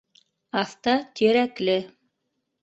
Аҫта - Тирәкле.